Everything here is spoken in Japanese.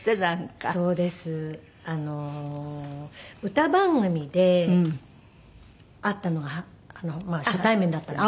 歌番組で会ったのが初対面だったんです。